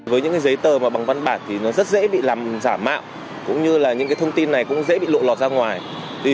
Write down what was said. với những giấy tờ mà bằng văn bản thì nó rất dễ bị làm giả mạo cũng như là những thông tin này cũng dễ bị lộ lọt ra ngoài